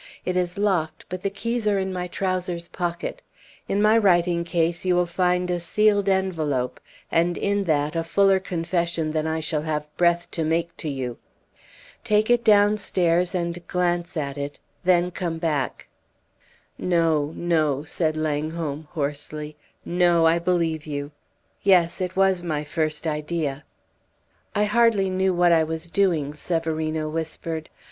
It is locked, but the keys are in my trouser's pocket. In my writing case you will find a sealed envelope, and in that a fuller confession than I shall have breath to make to you. Take it downstairs and glance at it then come back." "No, no," said Langholm, hoarsely; "no, I believe you! Yes it was my first idea!" "I hardly knew what I was doing," Severino whispered.